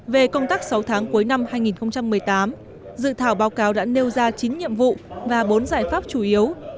về công tác sáu tháng cuối năm hai nghìn một mươi tám dự thảo báo cáo đã nêu ra chín nhiệm vụ và bốn giải pháp chủ yếu